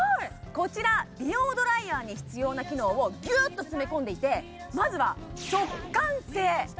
こちら美容ドライヤーに必要な機能をギュッと詰め込んでいてまずは速乾性！